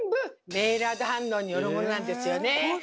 メイラード反応によるものなんですよね！